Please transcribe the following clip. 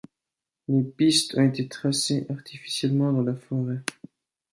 Les pistes ont été tracées artificiellement dans la forêt.